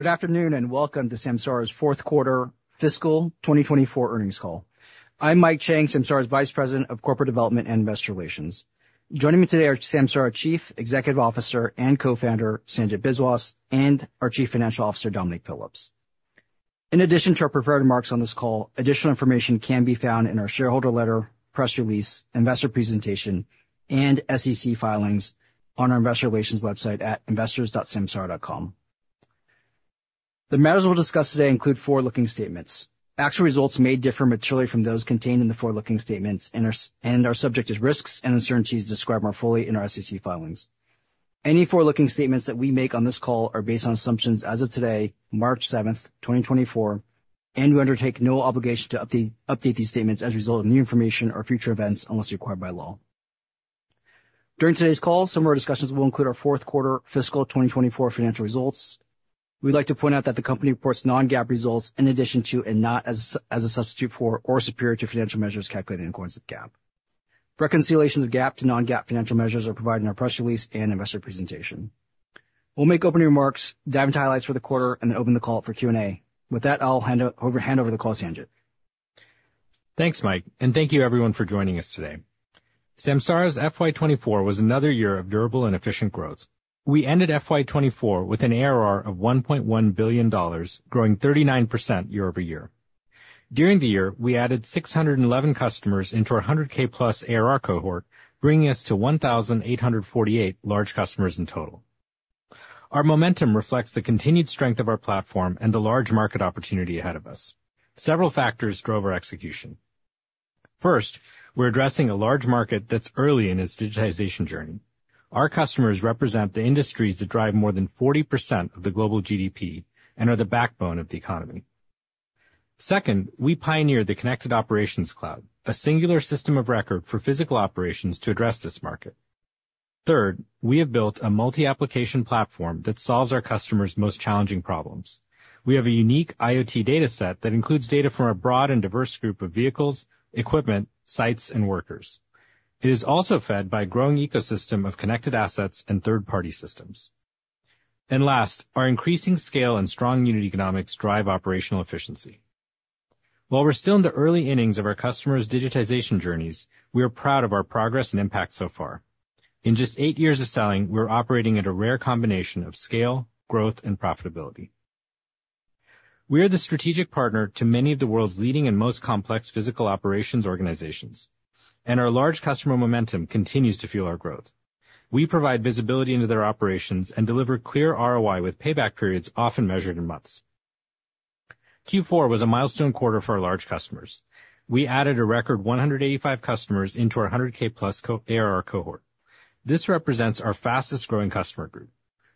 Good afternoon and welcome to Samsara's fourth quarter fiscal 2024 earnings call. I'm Mike Chang, Samsara's Vice President of Corporate Development and Investor Relations. Joining me today are Samsara's Chief Executive Officer and Co-Founder Sanjit Biswas and our Chief Financial Officer Dominic Phillips. In addition to our prepared remarks on this call, additional information can be found in our shareholder letter, press release, investor presentation, and SEC filings on our investor relations website at investors.samsara.com. The matters we'll discuss today include forward-looking statements. Actual results may differ materially from those contained in the forward-looking statements, and are subject to risks and uncertainties described more fully in our SEC filings. Any forward-looking statements that we make on this call are based on assumptions as of today, March 7, 2024, and we undertake no obligation to update these statements as a result of new information or future events unless required by law. During today's call, some of our discussions will include our fourth-quarter fiscal 2024 financial results. We'd like to point out that the company reports non-GAAP results in addition to and not as a substitute for or superior to financial measures calculated in accordance with GAAP. Reconciliations of GAAP to non-GAAP financial measures are provided in our press release and investor presentation. We'll make opening remarks, dive into highlights for the quarter, and then open the call up for Q&A. With that, I'll hand over the call to Sanjit. Thanks, Mike, and thank you, everyone, for joining us today. Samsara's FY 2024 was another year of durable and efficient growth. We ended FY 2024 with an ARR of $1.1 billion, growing 39% year-over-year. During the year, we added 611 customers into our 100,000+ ARR cohort, bringing us to 1,848 large customers in total. Our momentum reflects the continued strength of our platform and the large market opportunity ahead of us. Several factors drove our execution. First, we're addressing a large market that's early in its digitization journey. Our customers represent the industries that drive more than 40% of the global GDP and are the backbone of the economy. Second, we pioneered the Connected Operations Cloud, a singular system of record for physical operations to address this market. Third, we have built a multi-application platform that solves our customers' most challenging problems. We have a unique IoT data set that includes data from a broad and diverse group of vehicles, equipment, sites, and workers. It is also fed by a growing ecosystem of connected assets and third-party systems. Last, our increasing scale and strong unit economics drive operational efficiency. While we're still in the early innings of our customers' digitization journeys, we are proud of our progress and impact so far. In just eight years of selling, we're operating at a rare combination of scale, growth, and profitability. We are the strategic partner to many of the world's leading and most complex physical operations organizations, and our large customer momentum continues to fuel our growth. We provide visibility into their operations and deliver clear ROI with payback periods often measured in months. Q4 was a milestone quarter for our large customers. We added a record 185 customers into our $100,000+ ARR cohort. This represents our fastest-growing customer group.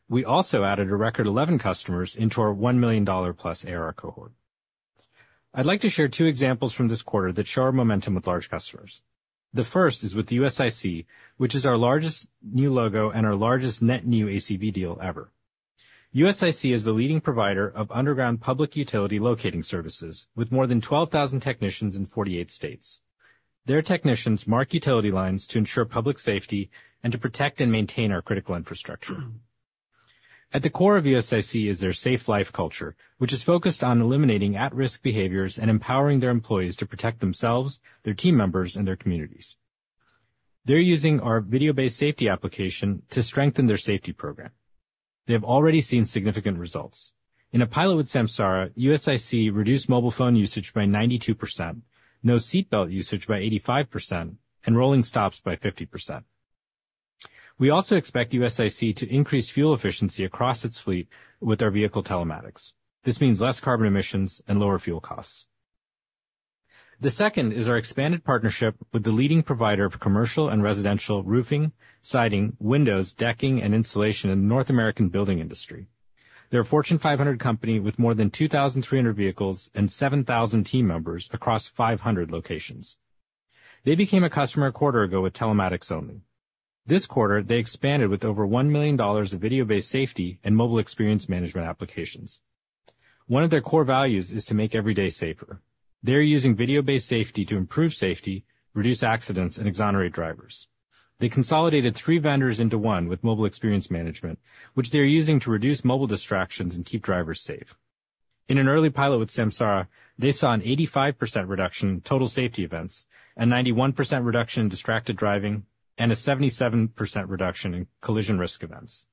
We also added a record 11 customers into our $1 million+ ARR cohort. I'd like to share two examples from this quarter that show our momentum with large customers. The first is with USIC, which is our largest new logo and our largest net new ACV deal ever. USIC is the leading provider of underground public utility locating services with more than 12,000 technicians in 48 states. Their technicians mark utility lines to ensure public safety and to protect and maintain our critical infrastructure. At the core of USIC is their Safe-Life culture, which is focused on eliminating at-risk behaviors and empowering their employees to protect themselves, their team members, and their communities. They're using our video-based safety application to strengthen their safety program. They have already seen significant results. In a pilot with Samsara, USIC reduced mobile phone usage by 92%, no seatbelt usage by 85%, and rolling stops by 50%. We also expect USIC to increase fuel efficiency across its fleet with our vehicle telematics. This means less carbon emissions and lower fuel costs. The second is our expanded partnership with the leading provider of commercial and residential roofing, siding, windows, decking, and insulation in the North American building industry. They're a Fortune 500 company with more than 2,300 vehicles and 7,000 team members across 500 locations. They became a customer a quarter ago with telematics only. This quarter, they expanded with over $1 million of video-based safety and mobile experience management applications. One of their core values is to make every day safer. They're using video-based safety to improve safety, reduce accidents, and exonerate drivers. They consolidated three vendors into one with Mobile Experience Management, which they're using to reduce mobile distractions and keep drivers safe. In an early pilot with Samsara, they saw an 85% reduction in total safety events, a 91% reduction in distracted driving, and a 77% reduction in collision risk events.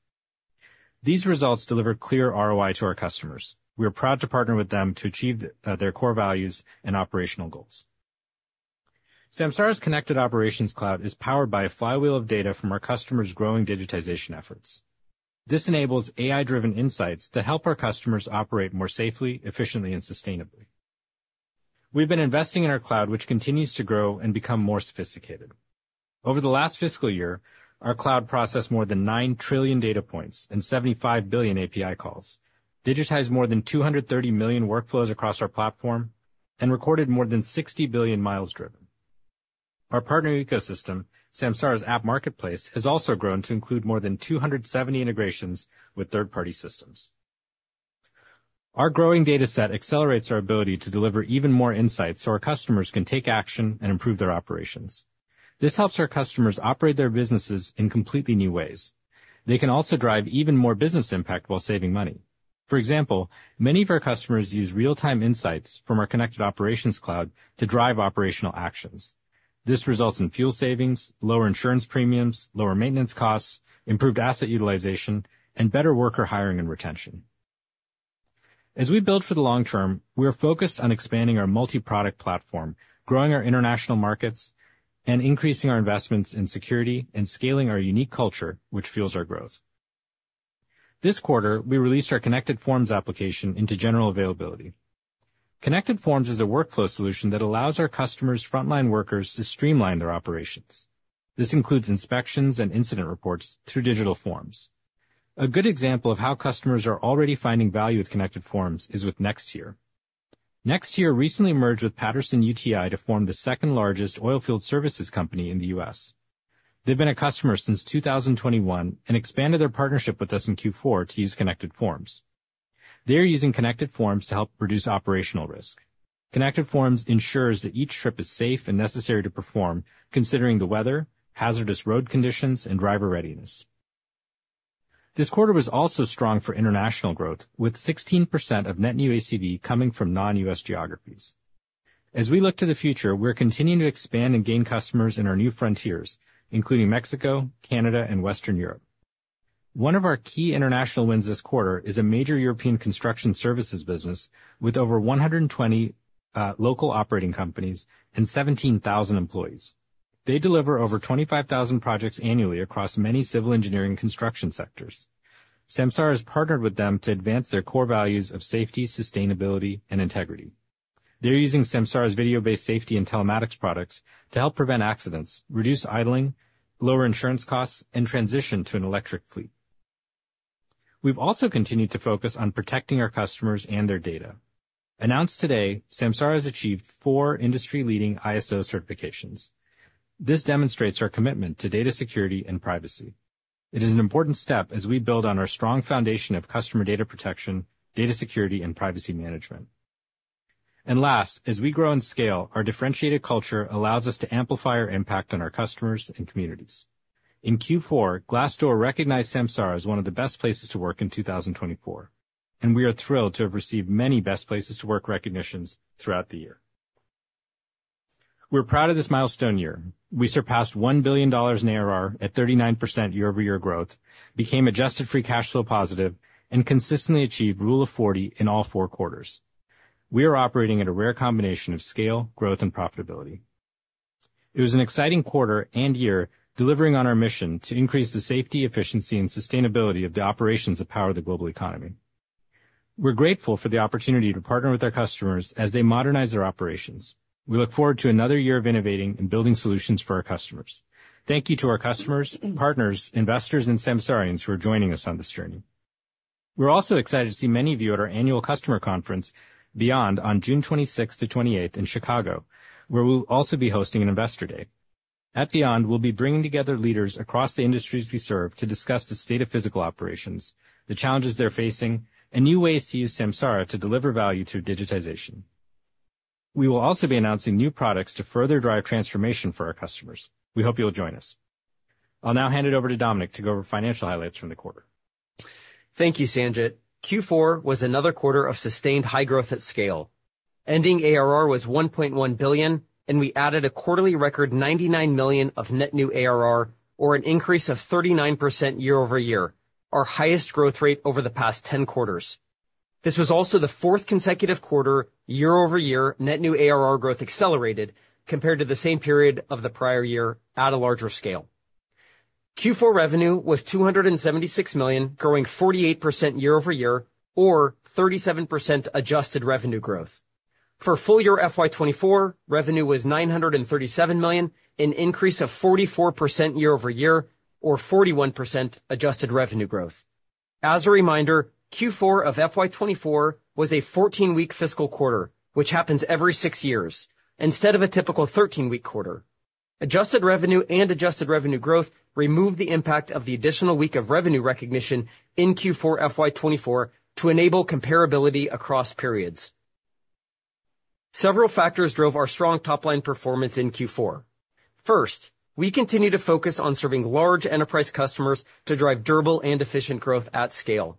These results deliver clear ROI to our customers. We are proud to partner with them to achieve their core values and operational goals. Samsara's Connected Operations Cloud is powered by a flywheel of data from our customers' growing digitization efforts. This enables AI-driven insights that help our customers operate more safely, efficiently, and sustainably. We've been investing in our cloud, which continues to grow and become more sophisticated. Over the last fiscal year, our cloud processed more than 9 trillion data points and 75 billion API calls, digitized more than 230 million workflows across our platform, and recorded more than 60 billion mi driven. Our partner ecosystem, Samsara's app marketplace, has also grown to include more than 270 integrations with third-party systems. Our growing data set accelerates our ability to deliver even more insights so our customers can take action and improve their operations. This helps our customers operate their businesses in completely new ways. They can also drive even more business impact while saving money. For example, many of our customers use real-time insights from our Connected Operations Cloud to drive operational actions. This results in fuel savings, lower insurance premiums, lower maintenance costs, improved asset utilization, and better worker hiring and retention. As we build for the long term, we are focused on expanding our multi-product platform, growing our international markets, and increasing our investments in security and scaling our unique culture, which fuels our growth. This quarter, we released our Connected Forms application into general availability. Connected Forms is a workflow solution that allows our customers' frontline workers to streamline their operations. This includes inspections and incident reports through digital forms. A good example of how customers are already finding value with Connected Forms is with NexTier. NexTier recently merged with Patterson-UTI to form the second-largest oilfield services company in the U.S. They've been a customer since 2021 and expanded their partnership with us in Q4 to use Connected Forms. They are using Connected Forms to help reduce operational risk. Connected Forms ensures that each trip is safe and necessary to perform, considering the weather, hazardous road conditions, and driver readiness. This quarter was also strong for international growth, with 16% of net new ACV coming from non-US geographies. As we look to the future, we're continuing to expand and gain customers in our new frontiers, including Mexico, Canada, and Western Europe. One of our key international wins this quarter is a major European construction services business with over 120 local operating companies and 17,000 employees. They deliver over 25,000 projects annually across many civil engineering and construction sectors. Samsara has partnered with them to advance their core values of safety, sustainability, and integrity. They're using Samsara's video-based safety and telematics products to help prevent accidents, reduce idling, lower insurance costs, and transition to an electric fleet. We've also continued to focus on protecting our customers and their data. Announced today, Samsara has achieved four industry-leading ISO certifications. This demonstrates our commitment to data security and privacy. It is an important step as we build on our strong foundation of customer data protection, data security, and privacy management. Last, as we grow and scale, our differentiated culture allows us to amplify our impact on our customers and communities. In Q4, Glassdoor recognized Samsara as one of the best places to work in 2024, and we are thrilled to have received many Best Places to Work recognitions throughout the year. We're proud of this milestone year. We surpassed $1 billion in ARR at 39% year-over-year growth, became adjusted free cash flow positive, and consistently achieved Rule of 40 in all four quarters. We are operating at a rare combination of scale, growth, and profitability. It was an exciting quarter and year delivering on our mission to increase the safety, efficiency, and sustainability of the operations that power the global economy. We're grateful for the opportunity to partner with our customers as they modernize their operations. We look forward to another year of innovating and building solutions for our customers. Thank you to our customers, partners, investors, and Samsarians who are joining us on this journey. We're also excited to see many of you at our annual customer conference, Beyond, on June 26-28 in Chicago, where we'll also be hosting an Investor Day. At Beyond, we'll be bringing together leaders across the industries we serve to discuss the state of physical operations, the challenges they're facing, and new ways to use Samsara to deliver value through digitization. We will also be announcing new products to further drive transformation for our customers. We hope you'll join us. I'll now hand it over to Dominic to go over financial highlights from the quarter. Thank you, Sanjit. Q4 was another quarter of sustained high growth at scale. Ending ARR was $1.1 billion, and we added a quarterly record $99 million of net new ARR, or an increase of 39% year-over-year, our highest growth rate over the past 10 quarters. This was also the fourth consecutive quarter year-over-year net new ARR growth accelerated compared to the same period of the prior year at a larger scale. Q4 revenue was $276 million, growing 48% year-over-year, or 37% adjusted revenue growth. For full-year FY 2024, revenue was $937 million, an increase of 44% year-over-year, or 41% adjusted revenue growth. As a reminder, Q4 of FY 2024 was a 14-week fiscal quarter, which happens every six years, instead of a typical 13-week quarter. Adjusted revenue and adjusted revenue growth removed the impact of the additional week of revenue recognition in Q4 FY 2024 to enable comparability across periods. Several factors drove our strong top-line performance in Q4. First, we continue to focus on serving large enterprise customers to drive durable and efficient growth at scale.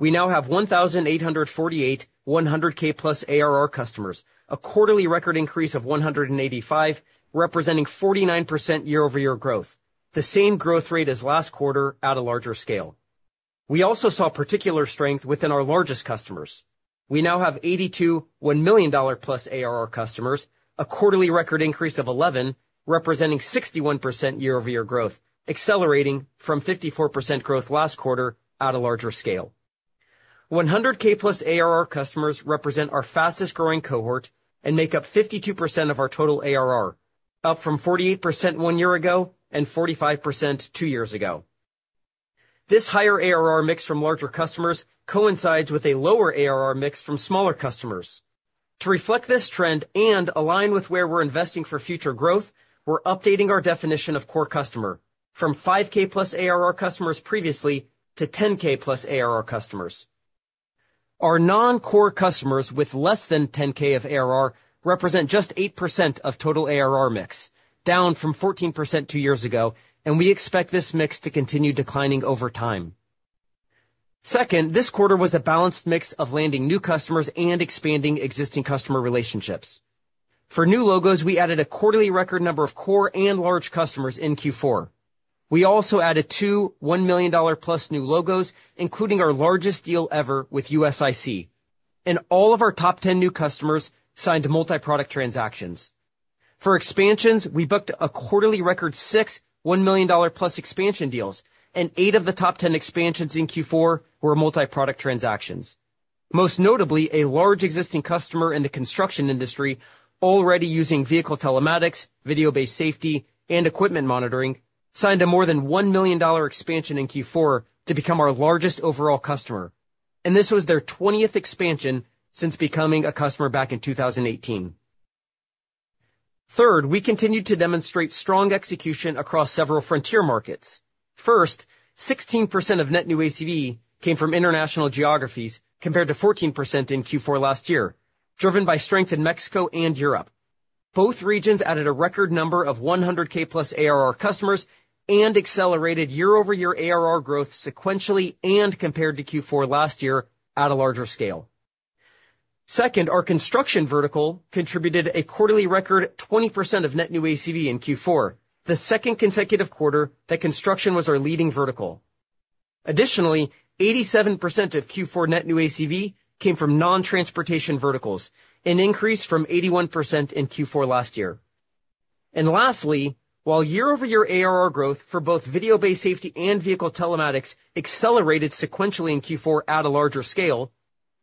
We now have 1,848 100,000+ ARR customers, a quarterly record increase of 185, representing 49% year-over-year growth, the same growth rate as last quarter at a larger scale. We also saw particular strength within our largest customers. We now have 82 1 million+ ARR customers, a quarterly record increase of 11, representing 61% year-over-year growth, accelerating from 54% growth last quarter at a larger scale. 100,000+ ARR customers represent our fastest-growing cohort and make up 52% of our total ARR, up from 48% one year ago and 45% two years ago. This higher ARR mix from larger customers coincides with a lower ARR mix from smaller customers. To reflect this trend and align with where we're investing for future growth, we're updating our definition of core customer, from $5,000+ ARR customers previously to $10,000+ ARR customers. Our non-core customers with less than $10,000 of ARR represent just 8% of total ARR mix, down from 14% 2 years ago, and we expect this mix to continue declining over time. Second, this quarter was a balanced mix of landing new customers and expanding existing customer relationships. For new logos, we added a quarterly record number of core and large customers in Q4. We also added 2 $1 million+ new logos, including our largest deal ever with USIC, and all of our top 10 new customers signed multi-product transactions. For expansions, we booked a quarterly record 6 $1 million+ expansion deals, and 8 of the top 10 expansions in Q4 were multi-product transactions. Most notably, a large existing customer in the construction industry, already using vehicle telematics, video-based safety, and equipment monitoring, signed a more than $1 million expansion in Q4 to become our largest overall customer, and this was their 20th expansion since becoming a customer back in 2018. Third, we continued to demonstrate strong execution across several frontier markets. First, 16% of net new ACV came from international geographies compared to 14% in Q4 last year, driven by strength in Mexico and Europe. Both regions added a record number of 100,000+ ARR customers and accelerated year-over-year ARR growth sequentially and compared to Q4 last year at a larger scale. Second, our construction vertical contributed a quarterly record 20% of net new ACV in Q4, the second consecutive quarter that construction was our leading vertical. Additionally, 87% of Q4 net new ACV came from non-transportation verticals, an increase from 81% in Q4 last year. And lastly, while year-over-year ARR growth for both video-based safety and vehicle telematics accelerated sequentially in Q4 at a larger scale,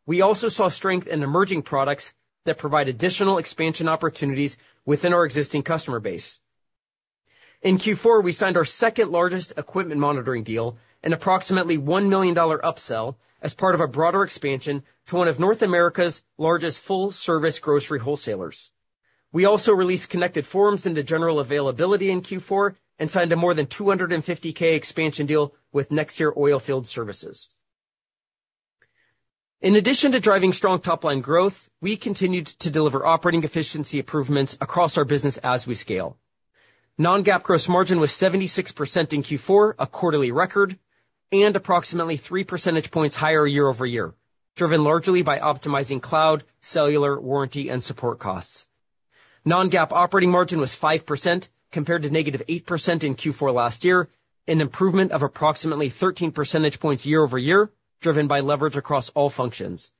we also saw strength in emerging products that provide additional expansion opportunities within our existing customer base. In Q4, we signed our second-largest equipment monitoring deal and approximately $1 million upsell as part of a broader expansion to one of North America's largest full-service grocery wholesalers. We also released Connected Forms into general availability in Q4 and signed a more than $250,000 expansion deal with NexTier Oilfield Solutions. In addition to driving strong top-line growth, we continued to deliver operating efficiency improvements across our business as we scale. Non-GAAP gross margin was 76% in Q4, a quarterly record, and approximately 3 percentage points higher year-over-year, driven largely by optimizing cloud, cellular, warranty, and support costs. Non-GAAP operating margin was 5% compared to negative 8% in Q4 last year, an improvement of approximately 13 percentage points year-over-year, driven by leverage across all functions.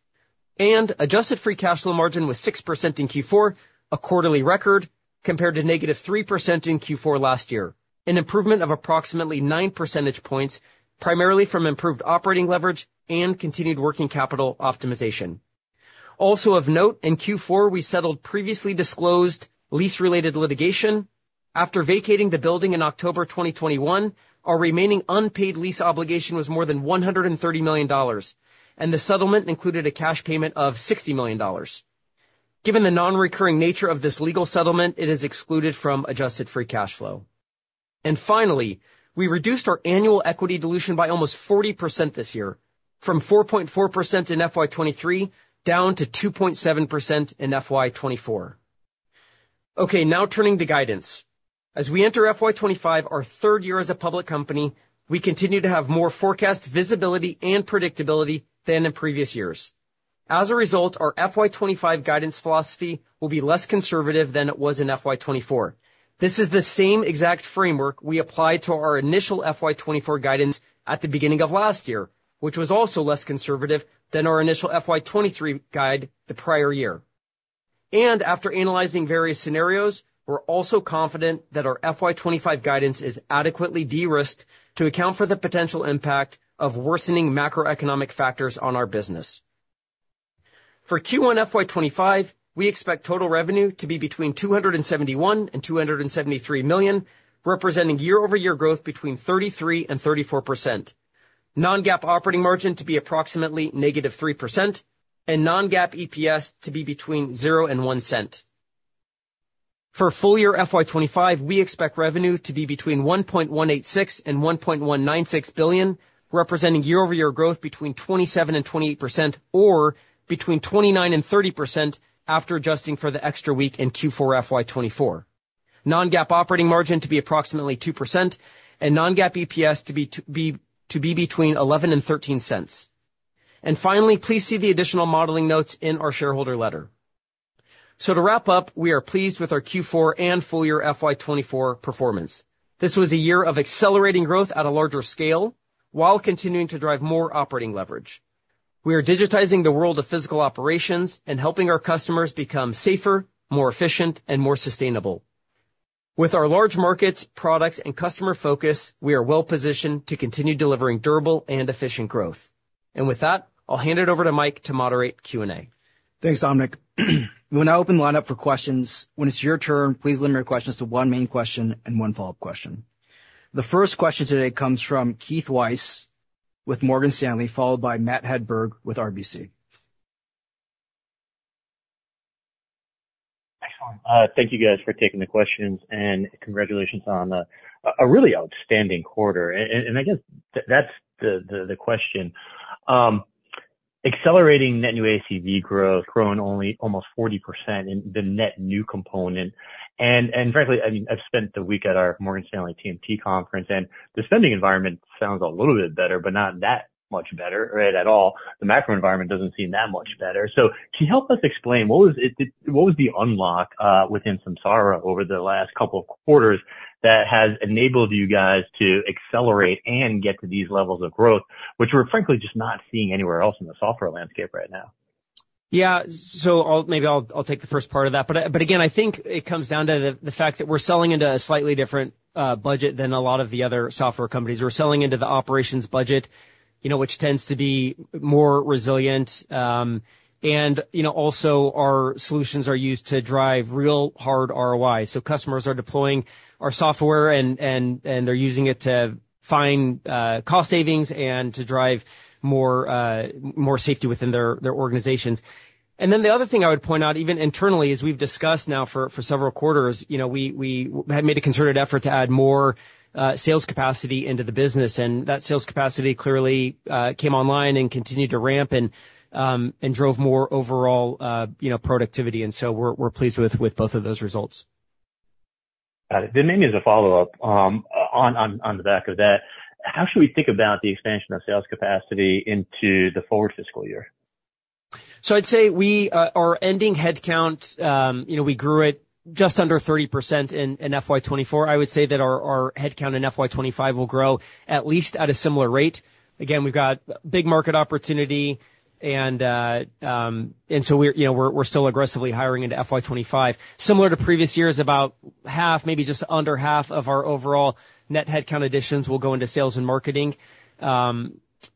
Adjusted free cash flow margin was 6% in Q4, a quarterly record, compared to negative 3% in Q4 last year, an improvement of approximately 9 percentage points, primarily from improved operating leverage and continued working capital optimization. Also of note, in Q4 we settled previously disclosed lease-related litigation. After vacating the building in October 2021, our remaining unpaid lease obligation was more than $130 million, and the settlement included a cash payment of $60 million. Given the non-recurring nature of this legal settlement, it is excluded from adjusted free cash flow. Finally, we reduced our annual equity dilution by almost 40% this year, from 4.4% in FY 2023 down to 2.7% in FY 2024. Okay, now turning to guidance. As we enter FY 2025, our third year as a public company, we continue to have more forecast visibility and predictability than in previous years. As a result, our FY 2025 guidance philosophy will be less conservative than it was in FY 2024. This is the same exact framework we applied to our initial FY 2024 guidance at the beginning of last year, which was also less conservative than our initial FY 2023 guide the prior year. After analyzing various scenarios, we're also confident that our FY 2025 guidance is adequately de-risked to account for the potential impact of worsening macroeconomic factors on our business. For Q1 FY 2025, we expect total revenue to be between $271 million and $273 million, representing year-over-year growth between 33% and 34%, non-GAAP operating margin to be approximately -3%, and non-GAAP EPS to be between $0.00 and $0.01. For full-year FY 2025, we expect revenue to be between $1.186 billion and $1.196 billion, representing year-over-year growth between 27% and 28%, or between 29% and 30% after adjusting for the extra week in Q4 FY 2024. Non-GAAP operating margin to be approximately 2%, and non-GAAP EPS to be between $0.11 and $0.13. Finally, please see the additional modeling notes in our shareholder letter. To wrap up, we are pleased with our Q4 and full-year FY 2024 performance. This was a year of accelerating growth at a larger scale while continuing to drive more operating leverage. We are digitizing the world of physical operations and helping our customers become safer, more efficient, and more sustainable. With our large markets, products, and customer focus, we are well-positioned to continue delivering durable and efficient growth. With that, I'll hand it over to Mike to moderate Q&A. Thanks, Dominic. We will now open the line up for questions. When it's your turn, please limit your questions to one main question and one follow-up question. The first question today comes from Keith Weiss with Morgan Stanley, followed by Matt Hedberg with RBC. Excellent. Thank you guys for taking the questions, and congratulations on a really outstanding quarter. I guess that's the question. Accelerating net new ACV growth, growing only almost 40% in the net new component. Frankly, I've spent the week at our Morgan Stanley TMT conference, and the spending environment sounds a little bit better, but not that much better, right, at all. The macro environment doesn't seem that much better. Can you help us explain what was the unlock within Samsara over the last couple of quarters that has enabled you guys to accelerate and get to these levels of growth, which we're frankly just not seeing anywhere else in the software landscape right now? Yeah, so maybe I'll take the first part of that. But again, I think it comes down to the fact that we're selling into a slightly different budget than a lot of the other software companies. We're selling into the operations budget, which tends to be more resilient. And also, our solutions are used to drive real hard ROI. So customers are deploying our software, and they're using it to find cost savings and to drive more safety within their organizations. And then the other thing I would point out, even internally, as we've discussed now for several quarters, we have made a concerted effort to add more sales capacity into the business. And that sales capacity clearly came online and continued to ramp and drove more overall productivity. And so we're pleased with both of those results. Got it. Then maybe as a follow-up, on the back of that, how should we think about the expansion of sales capacity into the forward fiscal year? So I'd say we are adding headcount. We grew it just under 30% in FY 2024. I would say that our headcount in FY 2025 will grow at least at a similar rate. Again, we've got big market opportunity, and so we're still aggressively hiring into FY 2025. Similar to previous years, about half, maybe just under half of our overall net headcount additions will go into sales and marketing.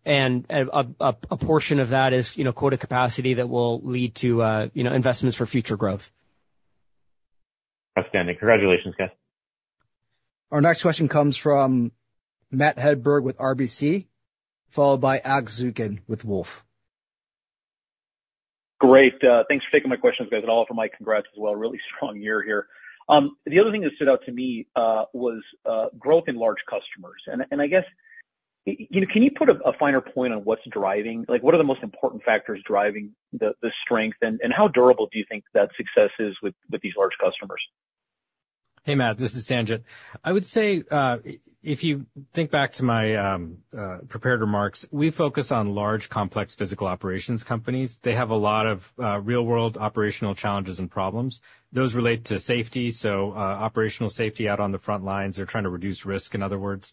And a portion of that is quota capacity that will lead to investments for future growth. Outstanding. Congratulations, guys. Our next question comes from Matt Hedberg with RBC, followed by Alex Zukin with Wolfe. Great. Thanks for taking my questions, guys, and all for my congrats as well. Really strong year here. The other thing that stood out to me was growth in large customers. I guess, can you put a finer point on what's driving? What are the most important factors driving the strength, and how durable do you think that success is with these large customers? Hey, Matt. This is Sanjit. I would say if you think back to my prepared remarks, we focus on large, complex physical operations companies. They have a lot of real-world operational challenges and problems. Those relate to safety. So operational safety out on the front lines. They're trying to reduce risk, in other words.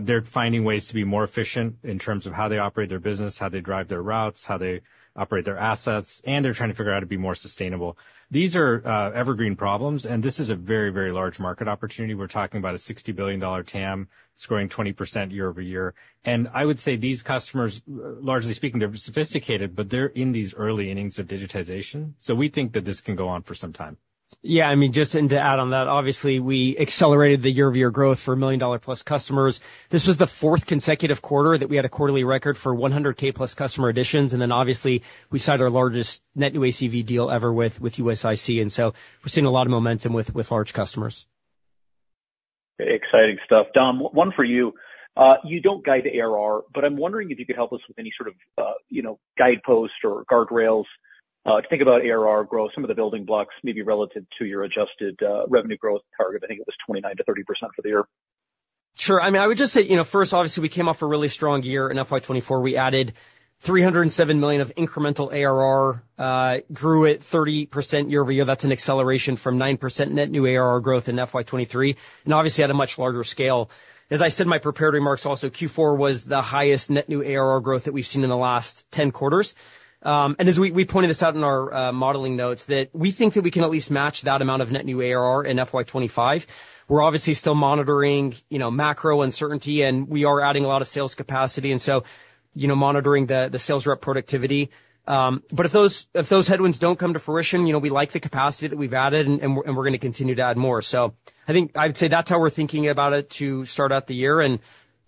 They're finding ways to be more efficient in terms of how they operate their business, how they drive their routes, how they operate their assets, and they're trying to figure out how to be more sustainable. These are evergreen problems, and this is a very, very large market opportunity. We're talking about a $60 billion TAM. It's growing 20% year-over-year. And I would say these customers, largely speaking, they're sophisticated, but they're in these early innings of digitization. So we think that this can go on for some time. Yeah, I mean, just to add on that, obviously, we accelerated the year-over-year growth for $1 million+ customers. This was the fourth consecutive quarter that we had a quarterly record for 100,000+ customer additions. And then obviously, we signed our largest net new ACV deal ever with USIC. And so we're seeing a lot of momentum with large customers. Exciting stuff. Dom, one for you. You don't guide ARR, but I'm wondering if you could help us with any sort of guidepost or guardrails to think about ARR growth, some of the building blocks, maybe relative to your adjusted revenue growth target. I think it was 29%-30% for the year. Sure. I mean, I would just say first, obviously, we came off a really strong year in FY 2024. We added $307 million of incremental ARR, grew it 30% year-over-year. That's an acceleration from 9% net new ARR growth in FY 2023, and obviously at a much larger scale. As I said in my prepared remarks also, Q4 was the highest net new ARR growth that we've seen in the last 10 quarters. And as we pointed this out in our modeling notes, that we think that we can at least match that amount of net new ARR in FY 2025. We're obviously still monitoring macro uncertainty, and we are adding a lot of sales capacity, and so monitoring the sales rep productivity. But if those headwinds don't come to fruition, we like the capacity that we've added, and we're going to continue to add more. I'd say that's how we're thinking about it to start out the year, and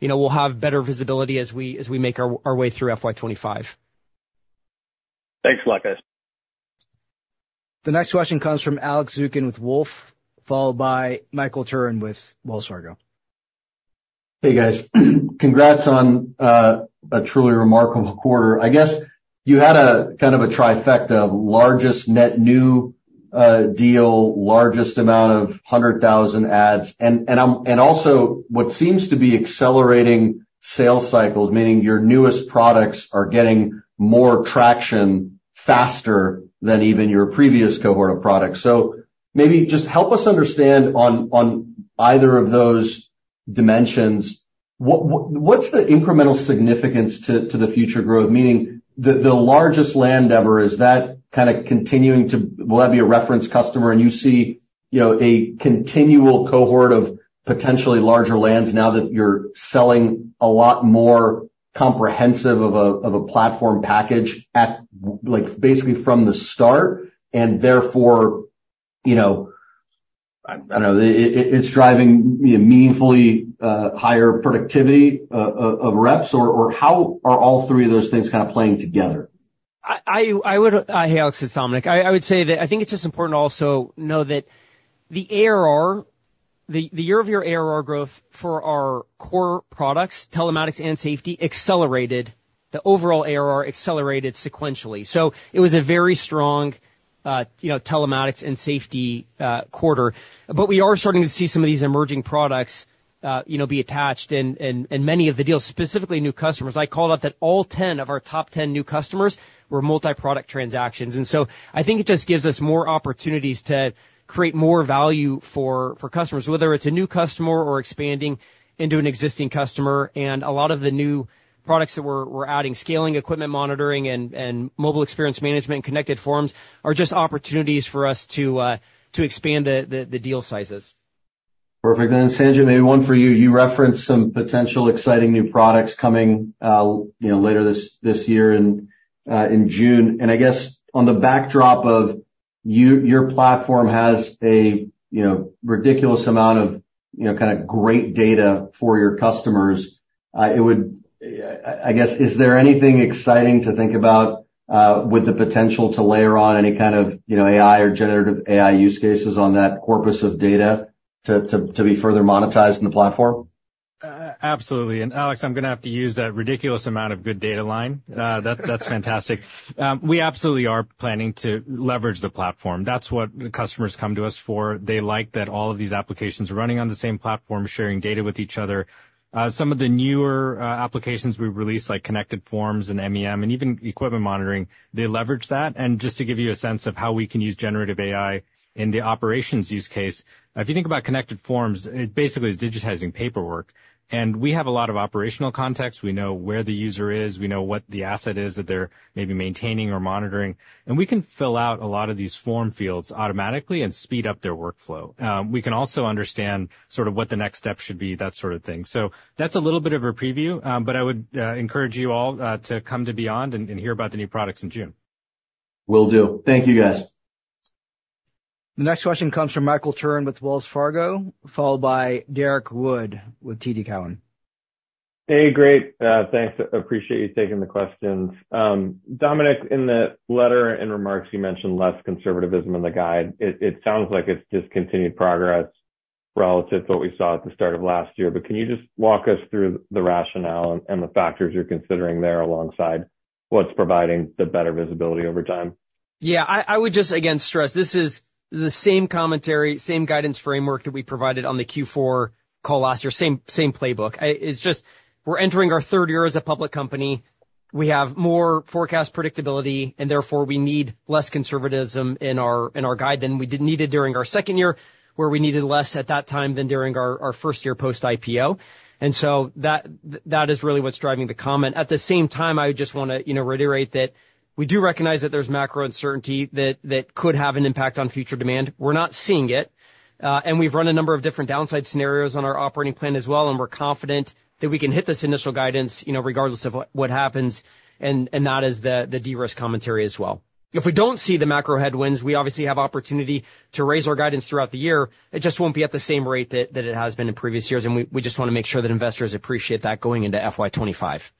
we'll have better visibility as we make our way through FY 2025. Thanks, guys. The next question comes from Alex Zukin with Wolfe, followed by Michael Turrin with Wells Fargo. Hey, guys. Congrats on a truly remarkable quarter. I guess you had kind of a trifecta: largest net new deal, largest amount of 100,000 ACVs, and also what seems to be accelerating sales cycles, meaning your newest products are getting more traction faster than even your previous cohort of products. So maybe just help us understand on either of those dimensions, what's the incremental significance to the future growth, meaning the largest land ever, is that kind of continuing to will that be a reference customer, and you see a continual cohort of potentially larger lands now that you're selling a lot more comprehensive of a platform package basically from the start, and therefore, I don't know, it's driving meaningfully higher productivity of reps? Or how are all three of those things kind of playing together? Hey, Alex, it's Dominic. I would say that I think it's just important also to know that the year-over-year ARR growth for our core products, telematics and safety, accelerated. The overall ARR accelerated sequentially. So it was a very strong telematics and safety quarter. But we are starting to see some of these emerging products be attached, and many of the deals, specifically new customers. I called out that all 10 of our top 10 new customers were multi-product transactions. And so I think it just gives us more opportunities to create more value for customers, whether it's a new customer or expanding into an existing customer. And a lot of the new products that we're adding, scaling equipment monitoring and mobile experience management and Connected Forms, are just opportunities for us to expand the deal sizes. Perfect. Then, Sanjit, maybe one for you. You referenced some potential exciting new products coming later this year in June. And I guess on the backdrop of your platform has a ridiculous amount of kind of great data for your customers, I guess, is there anything exciting to think about with the potential to layer on any kind of AI or generative AI use cases on that corpus of data to be further monetized in the platform? Absolutely. And Alex, I'm going to have to use that ridiculous amount of good data line. That's fantastic. We absolutely are planning to leverage the platform. That's what customers come to us for. They like that all of these applications are running on the same platform, sharing data with each other. Some of the newer applications we release, like Connected Forms and MEM and even equipment monitoring, they leverage that. And just to give you a sense of how we can use generative AI in the operations use case, if you think about Connected Forms, it basically is digitizing paperwork. And we have a lot of operational context. We know where the user is. We know what the asset is that they're maybe maintaining or monitoring. And we can fill out a lot of these form fields automatically and speed up their workflow. We can also understand sort of what the next step should be, that sort of thing. So that's a little bit of a preview, but I would encourage you all to come to Beyond and hear about the new products in June. Will do. Thank you, guys. The next question comes from Michael Turrin with Wells Fargo, followed by Derek Wood with TD Cowen. Hey, great. Thanks. Appreciate you taking the questions. Dominic, in the letter and remarks, you mentioned less conservatism in the guide. It sounds like it's discontinued progress relative to what we saw at the start of last year. But can you just walk us through the rationale and the factors you're considering there alongside what's providing the better visibility over time? Yeah. I would just, again, stress, this is the same commentary, same guidance framework that we provided on the Q4 call last year, same playbook. It's just we're entering our third year as a public company. We have more forecast predictability, and therefore, we need less conservatism in our guide than we needed during our second year, where we needed less at that time than during our first year post-IPO. And so that is really what's driving the comment. At the same time, I would just want to reiterate that we do recognize that there's macro uncertainty that could have an impact on future demand. We're not seeing it. And we've run a number of different downside scenarios on our operating plan as well, and we're confident that we can hit this initial guidance regardless of what happens, and that is the de-risk commentary as well. If we don't see the macro headwinds, we obviously have opportunity to raise our guidance throughout the year. It just won't be at the same rate that it has been in previous years. We just want to make sure that investors appreciate that going into FY 2025.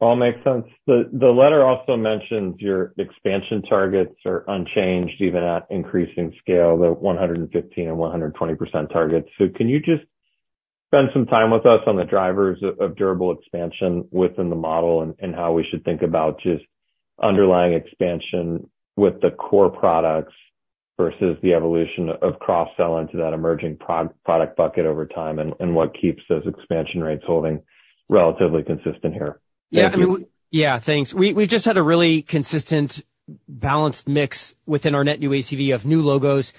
All makes sense. The letter also mentions your expansion targets are unchanged even at increasing scale, the 115% and 120% targets. So can you just spend some time with us on the drivers of durable expansion within the model and how we should think about just underlying expansion with the core products versus the evolution of cross-sell into that emerging product bucket over time and what keeps those expansion rates holding relatively consistent here? Yeah. I mean, yeah, thanks. We've just had a really consistent balanced mix within our net new ACV of new logos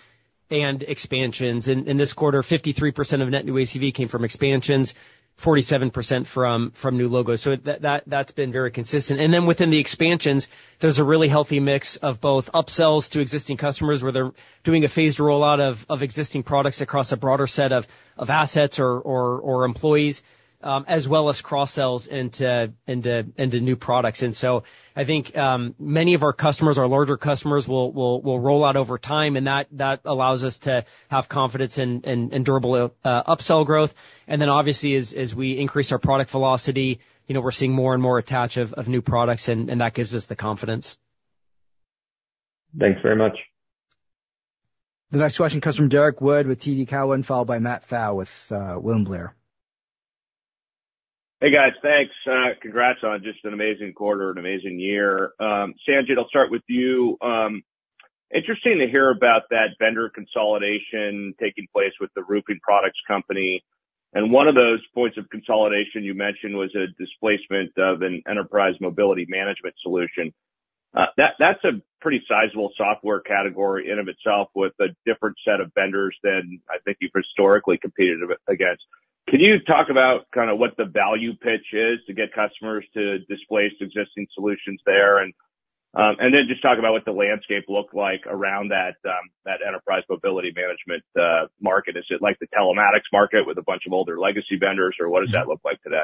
and expansions. In this quarter, 53% of net new ACV came from expansions, 47% from new logos. So that's been very consistent. And then within the expansions, there's a really healthy mix of both upsells to existing customers, where they're doing a phased rollout of existing products across a broader set of assets or employees, as well as cross-sells into new products. And so I think many of our customers, our larger customers, will roll out over time, and that allows us to have confidence in durable upsell growth. And then obviously, as we increase our product velocity, we're seeing more and more attach of new products, and that gives us the confidence. Thanks very much. The next question comes from Derrick Wood with TD Cowen, followed by Matt Pfau with William Blair. Hey, guys. Thanks. Congrats on just an amazing quarter, an amazing year. Sanjit, I'll start with you. Interesting to hear about that vendor consolidation taking place with the [Rubicon] Products Company. And one of those points of consolidation you mentioned was a displacement of an enterprise mobility management solution. That's a pretty sizable software category in and of itself with a different set of vendors than I think you've historically competed against. Can you talk about kind of what the value pitch is to get customers to displace existing solutions there? And then just talk about what the landscape looked like around that enterprise mobility management market. Is it like the telematics market with a bunch of older legacy vendors, or what does that look like today?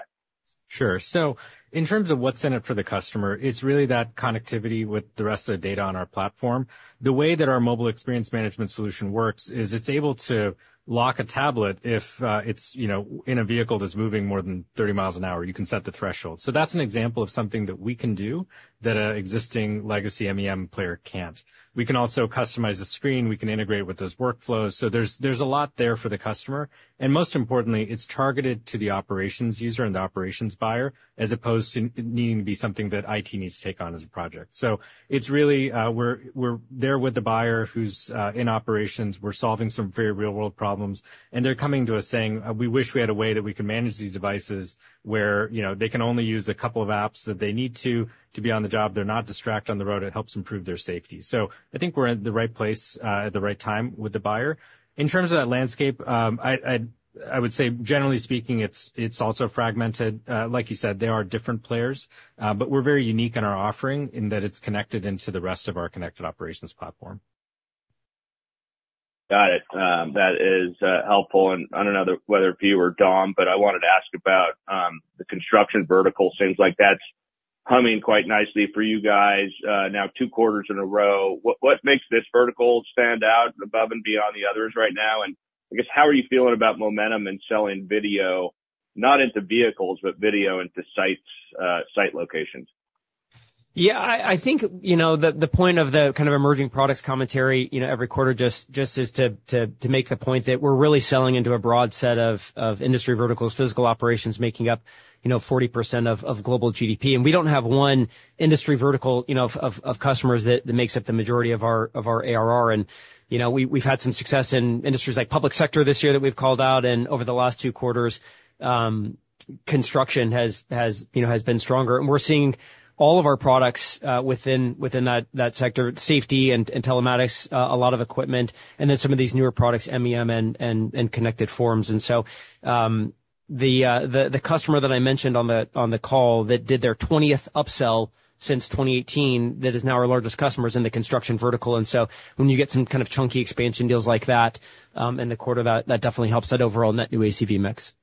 Sure. So in terms of what's in it for the customer, it's really that connectivity with the rest of the data on our platform. The way that our mobile experience management solution works is it's able to lock a tablet if it's in a vehicle that's moving more than 30 mph. You can set the threshold. So that's an example of something that we can do that an existing legacy MEM player can't. We can also customize the screen. We can integrate with those workflows. So there's a lot there for the customer. And most importantly, it's targeted to the operations user and the operations buyer as opposed to needing to be something that IT needs to take on as a project. So it's really we're there with the buyer who's in operations. We're solving some very real-world problems. They're coming to us saying, "We wish we had a way that we could manage these devices where they can only use a couple of apps that they need to be on the job. They're not distracted on the road. It helps improve their safety." So I think we're at the right place at the right time with the buyer. In terms of that landscape, I would say, generally speaking, it's also fragmented. Like you said, there are different players. But we're very unique in our offering in that it's connected into the rest of our connected operations platform. Got it. That is helpful. And I don't know whether if you or Dom, but I wanted to ask about the construction vertical. Seems like that's humming quite nicely for you guys now two quarters in a row. What makes this vertical stand out above and beyond the others right now? And I guess, how are you feeling about momentum in selling video, not into vehicles, but video into site locations? Yeah. I think the point of the kind of emerging products commentary every quarter just is to make the point that we're really selling into a broad set of industry verticals, physical operations making up 40% of global GDP. And we don't have one industry vertical of customers that makes up the majority of our ARR. And we've had some success in industries like public sector this year that we've called out. And over the last two quarters, construction has been stronger. And we're seeing all of our products within that sector, safety and telematics, a lot of equipment, and then some of these newer products, MEM and Connected Forms. And so the customer that I mentioned on the call that did their 20th upsell since 2018 that is now our largest customer is in the construction vertical. And so when you get some kind of chunky expansion deals like that in the quarter, that definitely helps that overall net new ACV mix.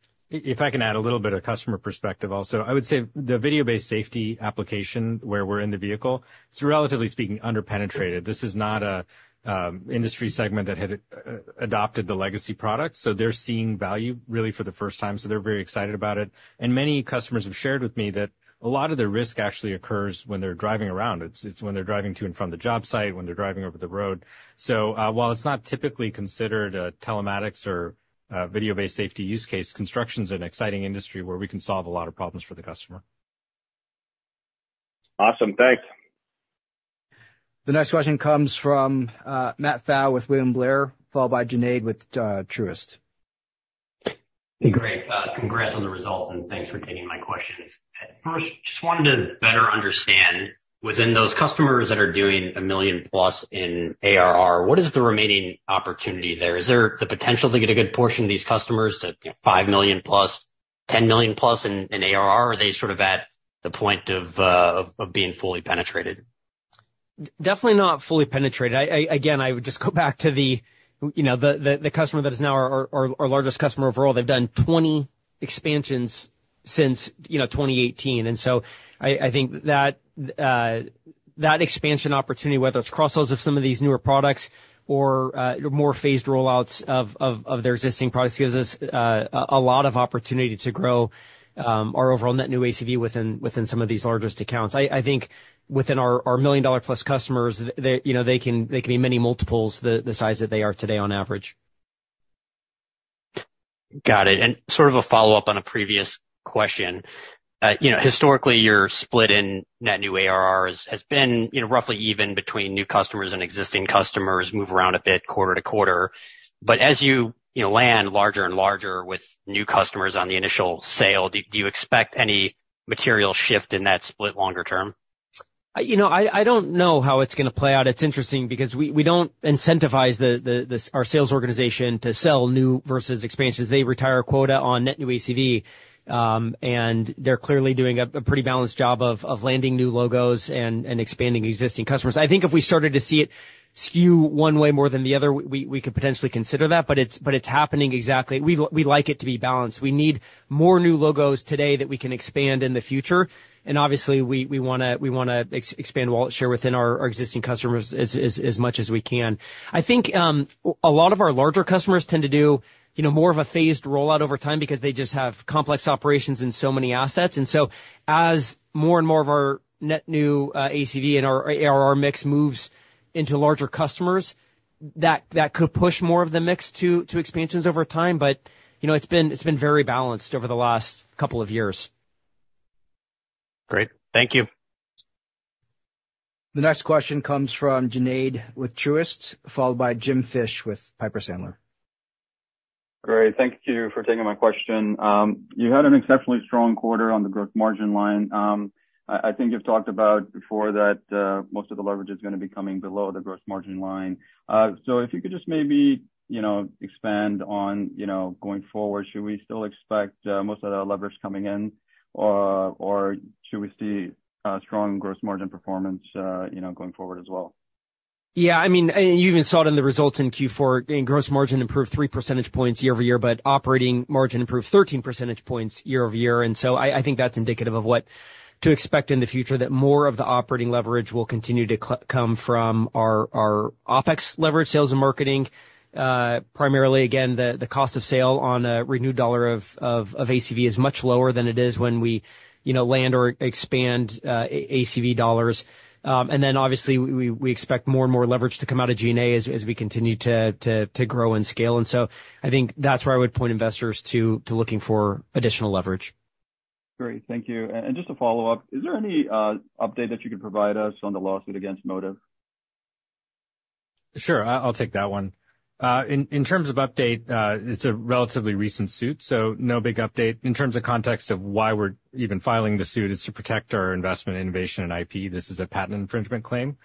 If I can add a little bit of customer perspective also, I would say the video-based safety application where we're in the vehicle, it's relatively speaking underpenetrated. This is not an industry segment that had adopted the legacy products. So they're seeing value really for the first time. So they're very excited about it. And many customers have shared with me that a lot of their risk actually occurs when they're driving around. It's when they're driving to and from the job site, when they're driving over the road. So while it's not typically considered a telematics or video-based safety use case, construction is an exciting industry where we can solve a lot of problems for the customer. Awesome. Thanks. The next question comes from Matt Pfau with William Blair, followed by Junaid with Truist. Hey, great. Congrats on the results, and thanks for taking my questions. First, just wanted to better understand within those customers that are doing $1 million+ in ARR, what is the remaining opportunity there? Is there the potential to get a good portion of these customers to $5 million+, $10 million+ in ARR? Are they sort of at the point of being fully penetrated? Definitely not fully penetrated. Again, I would just go back to the customer that is now our largest customer overall. They've done 20 expansions since 2018. So I think that expansion opportunity, whether it's cross-sells of some of these newer products or more phased rollouts of their existing products, gives us a lot of opportunity to grow our overall net new ACV within some of these largest accounts. I think within our million-dollar-plus customers, they can be many multiples the size that they are today on average. Got it. And sort of a follow-up on a previous question, historically, your split in net new ARR has been roughly even between new customers and existing customers, move around a bit quarter-to-quarter. But as you land larger and larger with new customers on the initial sale, do you expect any material shift in that split longer term? I don't know how it's going to play out. It's interesting because we don't incentivize our sales organization to sell new versus expansions. They retire a quota on net new ACV. They're clearly doing a pretty balanced job of landing new logos and expanding existing customers. I think if we started to see it skew one way more than the other, we could potentially consider that. But it's happening exactly. We like it to be balanced. We need more new logos today that we can expand in the future. Obviously, we want to expand wallet share within our existing customers as much as we can. I think a lot of our larger customers tend to do more of a phased rollout over time because they just have complex operations in so many assets. And so as more and more of our net new ACV and our ARR mix moves into larger customers, that could push more of the mix to expansions over time. But it's been very balanced over the last couple of years. Great. Thank you. The next question comes from Junaid with Truist, followed by Jim Fish with Piper Sandler. Great. Thank you for taking my question. You had an exceptionally strong quarter on the gross margin line. I think you've talked about before that most of the leverage is going to be coming below the gross margin line. So if you could just maybe expand on going forward, should we still expect most of that leverage coming in, or should we see strong gross margin performance going forward as well? Yeah. I mean, you even saw it in the results in Q4. Gross margin improved 3 percentage points year-over-year, but operating margin improved 13 percentage points year-over-year. And so I think that's indicative of what to expect in the future, that more of the operating leverage will continue to come from our OpEx leverage, sales and marketing. Primarily, again, the cost of sale on a renewed dollar of ACV is much lower than it is when we land or expand ACV dollars. And then obviously, we expect more and more leverage to come out of G&A as we continue to grow and scale. And so I think that's where I would point investors to looking for additional leverage. Great. Thank you. And just a follow-up, is there any update that you could provide us on the lawsuit against Motive? Sure. I'll take that one. In terms of update, it's a relatively recent suit, so no big update. In terms of context of why we're even filing the suit, it's to protect our investment innovation in IP. This is a patent infringement claim.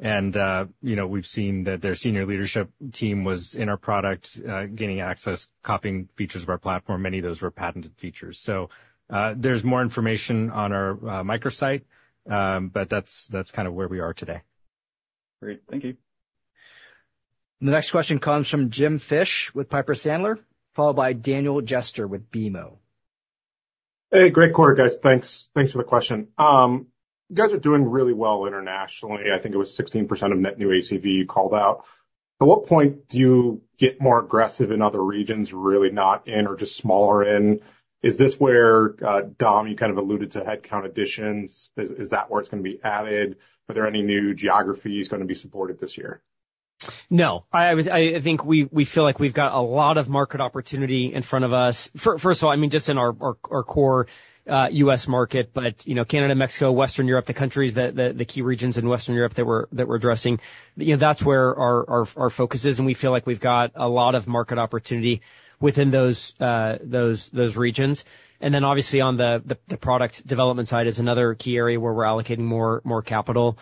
We've seen that their senior leadership team was in our product, gaining access, copying features of our platform. Many of those were patented features. There's more information on our microsite, but that's kind of where we are today. Great. Thank you. The next question comes from Jim Fish with Piper Sandler, followed by Dan Jester with BMO. Hey, great quarter, guys. Thanks for the question. You guys are doing really well internationally. I think it was 16% of net new ACV you called out. At what point do you get more aggressive in other regions, really not in or just smaller in? Is this where, Dom, you kind of alluded to headcount additions? Is that where it's going to be added? Are there any new geographies going to be supported this year? No. I think we feel like we've got a lot of market opportunity in front of us. First of all, I mean, just in our core U.S. market, but Canada, Mexico, Western Europe, the countries, the key regions in Western Europe that we're addressing, that's where our focus is. We feel like we've got a lot of market opportunity within those regions. Then obviously, on the product development side is another key area where we're allocating more capital.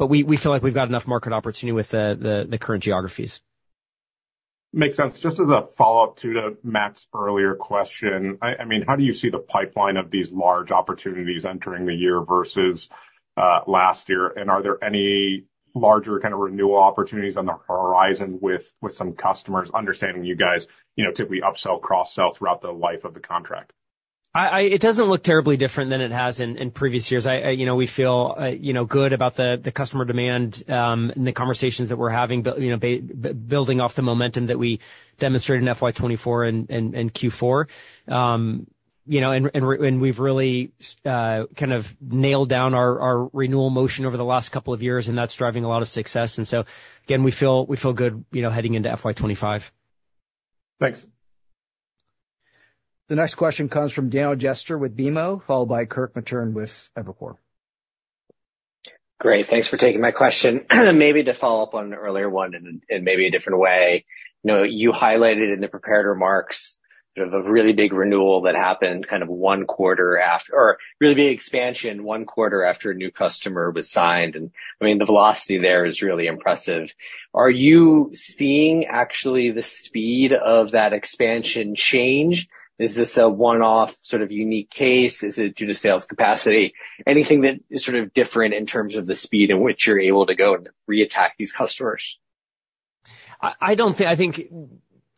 But we feel like we've got enough market opportunity with the current geographies. Makes sense. Just as a follow-up too to Matt's earlier question, I mean, how do you see the pipeline of these large opportunities entering the year versus last year? And are there any larger kind of renewal opportunities on the horizon with some customers understanding you guys typically upsell, cross-sell throughout the life of the contract? It doesn't look terribly different than it has in previous years. We feel good about the customer demand and the conversations that we're having, building off the momentum that we demonstrated in FY 2024 and Q4. And we've really kind of nailed down our renewal motion over the last couple of years, and that's driving a lot of success. And so again, we feel good heading into FY 2025. Thanks. The next question comes from Dan Jester with BMO, followed by Kirk Materne with Evercore. Great. Thanks for taking my question. Maybe to follow up on an earlier one in maybe a different way, you highlighted in the prepared remarks sort of a really big renewal that happened kind of one quarter after or really big expansion one quarter after a new customer was signed. And I mean, the velocity there is really impressive. Are you seeing actually the speed of that expansion change? Is this a one-off sort of unique case? Is it due to sales capacity? Anything that is sort of different in terms of the speed in which you're able to go and reattack these customers? I think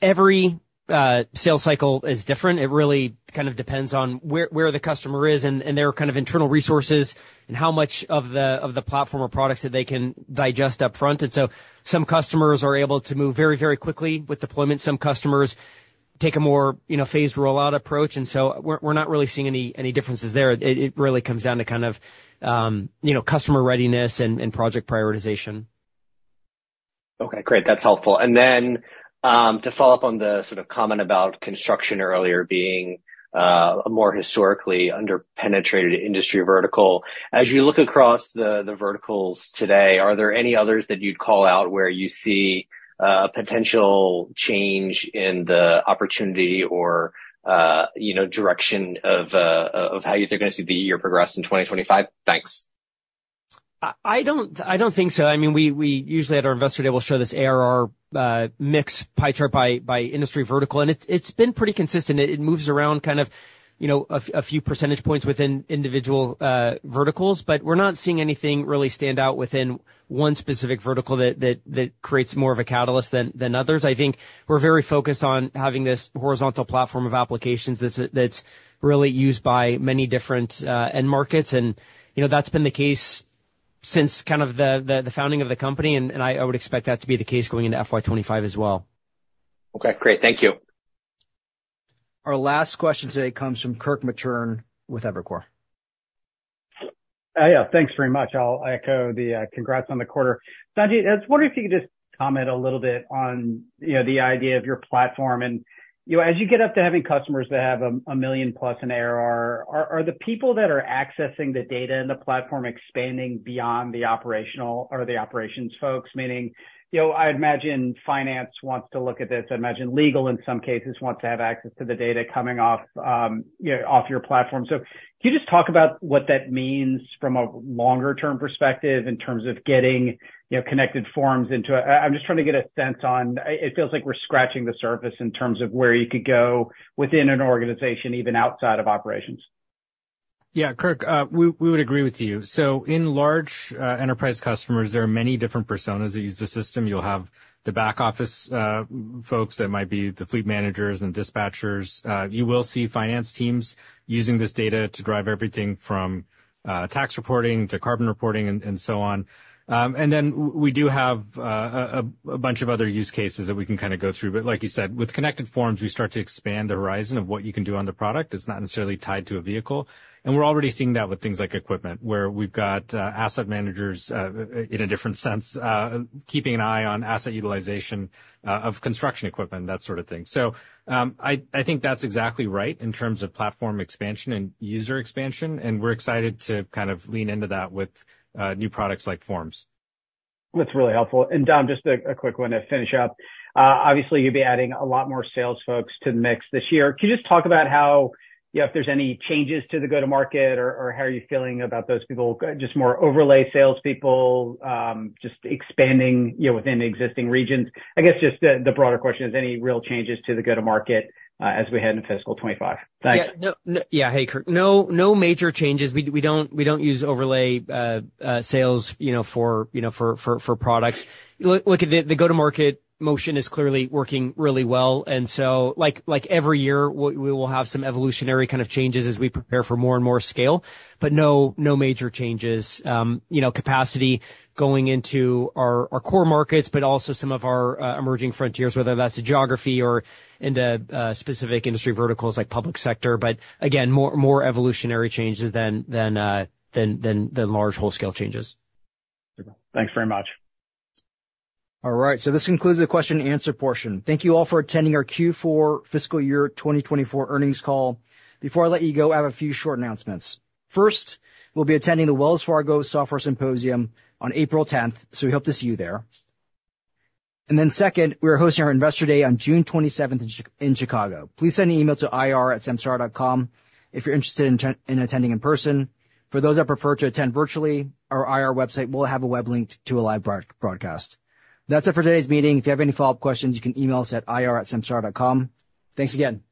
every sales cycle is different. It really kind of depends on where the customer is and their kind of internal resources and how much of the platform or products that they can digest upfront. And so some customers are able to move very, very quickly with deployment. Some customers take a more phased rollout approach. And so we're not really seeing any differences there. It really comes down to kind of customer readiness and project prioritization. Okay. Great. That's helpful. And then to follow up on the sort of comment about construction earlier being a more historically underpenetrated industry vertical, as you look across the verticals today, are there any others that you'd call out where you see a potential change in the opportunity or direction of how you're going to see the year progress in 2025? Thanks. I don't think so. I mean, we usually at our investor table show this ARR mix, pie chart by industry vertical. It's been pretty consistent. It moves around kind of a few percentage points within individual verticals. We're not seeing anything really stand out within one specific vertical that creates more of a catalyst than others. I think we're very focused on having this horizontal platform of applications that's really used by many different end markets. That's been the case since kind of the founding of the company. I would expect that to be the case going into FY 2025 as well. Okay. Great. Thank you. Our last question today comes from Kirk Materne with Evercore. Yeah. Thanks very much. I'll echo the congrats on the quarter. Sanjit, I was wondering if you could just comment a little bit on the idea of your platform. And as you get up to having customers that have 1 million+ in ARR, are the people that are accessing the data in the platform expanding beyond the operational or the operations folks? Meaning, I imagine finance wants to look at this. I imagine legal in some cases wants to have access to the data coming off your platform. So can you just talk about what that means from a longer-term perspective in terms of getting Connected Forms into a... I'm just trying to get a sense on it. It feels like we're scratching the surface in terms of where you could go within an organization, even outside of operations. Yeah. Kirk, we would agree with you. So in large enterprise customers, there are many different personas that use the system. You'll have the back office folks that might be the fleet managers and dispatchers. You will see finance teams using this data to drive everything from tax reporting to carbon reporting and so on. And then we do have a bunch of other use cases that we can kind of go through. But like you said, with Connected Forms, we start to expand the horizon of what you can do on the product. It's not necessarily tied to a vehicle. And we're already seeing that with things like equipment where we've got asset managers in a different sense keeping an eye on asset utilization of construction equipment, that sort of thing. So I think that's exactly right in terms of platform expansion and user expansion. We're excited to kind of lean into that with new products like Forms. That's really helpful. And Dom, just a quick one to finish up. Obviously, you'll be adding a lot more sales folks to the mix this year. Can you just talk about how if there's any changes to the go-to-market or how are you feeling about those people, just more overlay salespeople just expanding within existing regions? I guess just the broader question is any real changes to the go-to-market as we head into fiscal 2025? Thanks. Yeah. Hey, Kirk. No major changes. We don't use overlay sales for products. Look, the go-to-market motion is clearly working really well. And so like every year, we will have some evolutionary kind of changes as we prepare for more and more scale. But no major changes. Capacity going into our core markets, but also some of our emerging frontiers, whether that's a geography or into specific industry verticals like public sector. But again, more evolutionary changes than large wholesale changes. Thanks very much. All right. So this concludes the question-and-answer portion. Thank you all for attending our Q4 fiscal year 2024 earnings call. Before I let you go, I have a few short announcements. First, we'll be attending the Wells Fargo Software Symposium on April 10th. So we hope to see you there. And then second, we are hosting our investor day on June 27th in Chicago. Please send an email to ir@samsara.com if you're interested in attending in person. For those that prefer to attend virtually, our IR website, we'll have a web link to a live broadcast. That's it for today's meeting. If you have any follow-up questions, you can email us at ir@samsara.com. Thanks again.